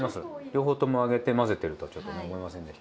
両方とも揚げて混ぜてるとはちょっと思いませんでしたけど。